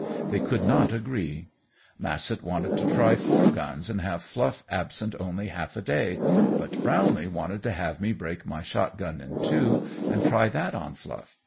They could not agree. Massett wanted to try four guns and have Fluff absent only half a day, but Brownlee wanted to have me break my shotgun in two and try that on Fluff.